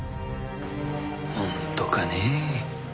本当かねえ？